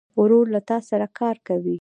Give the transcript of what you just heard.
ورور له تا سره کار کوي.